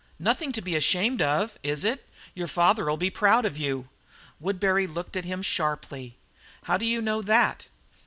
"Nothing to be ashamed of, is it? Your father'll be proud of you." Woodbury looked at him sharply. "How do you know that?"